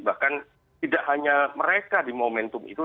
bahkan tidak hanya mereka di momentum itu